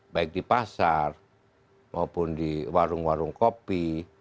baik di pasar maupun di warung warung kopi